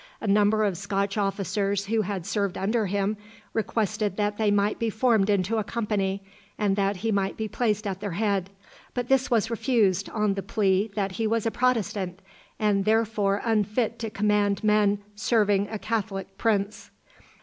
A number of Scotch officers who had served under him, requested that they might be formed into a company, and that he might be placed at their head; but this was refused on the plea that he was a Protestant, and therefore unfit to command men serving a Catholic prince.